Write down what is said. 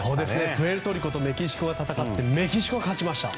プエルトリコとメキシコが戦ってメキシコが勝ちました。